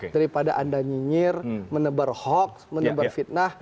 daripada anda nyinyir menebar hoax menebar fitnah